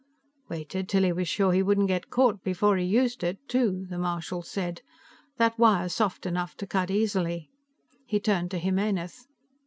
"Waited till he was sure he wouldn't get caught before he used it, too," the marshal said. "That wire's soft enough to cut easily." He turned to Jimenez.